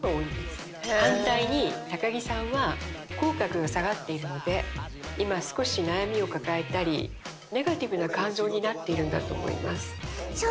反対に高木さんは口角が下がっているので今少し悩みを抱えたりネガティブな感情になっているんだと思います。